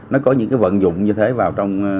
nó có những vận dụng như thế vào